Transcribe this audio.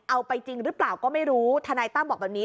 เอาไปจริงหรือเปล่าก็ไม่รู้ทนายตั้มบอกแบบนี้